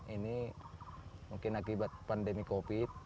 ini mungkin akibat pandemi covid sembilan belas